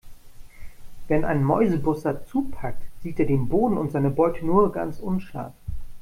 Wenn ein Mäusebussard zupackt, sieht er den Boden und seine Beute nur ganz unscharf.